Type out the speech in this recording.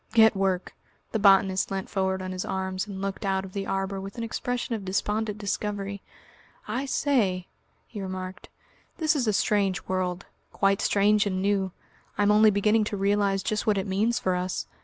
"Get work!" The botanist leant forward on his arms and looked out of the arbour with an expression of despondent discovery. "I say," he remarked; "this is a strange world quite strange and new. I'm only beginning to realise just what it means for us.